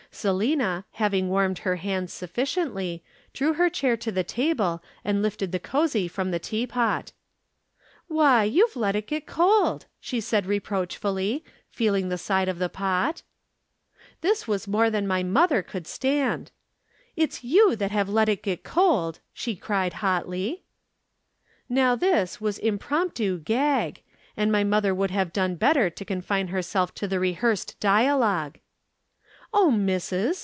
"Selina, having warmed her hands sufficiently, drew her chair to the table and lifted the cosy from the tea pot. "'Why, you've let it get cold,' she said reproachfully, feeling the side of the pot. "This was more than my mother could stand. "'It's you that have let it get cold,' she cried hotly. "Now this was pure impromptu 'gag,' and my mother would have done better to confine herself to the rehearsed dialogue. "'Oh, missus!'